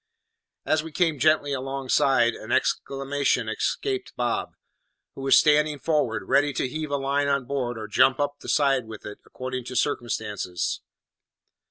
As we came gently alongside, an exclamation escaped Bob, who was standing forward, ready to heave a line on board or jump up the side with it, according to circumstances.